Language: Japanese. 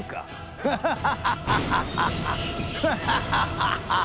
フハハハハハハ！